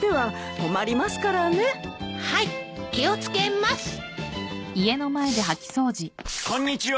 あらこんにちは。